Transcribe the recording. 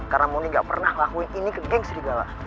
karena mondi gak pernah lakuin ini ke geng serigala